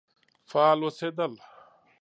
فعال اوسېدل.